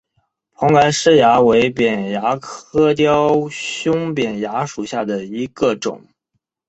蓬莱虱蚜为扁蚜科雕胸扁蚜属下的一个种。